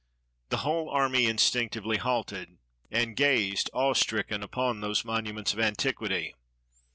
The whole army instinctively halted, and gazed, awe stricken, upon those monuments of antiquity.